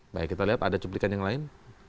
baik kita lihat ada cuplikan yang lain